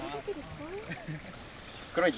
黒い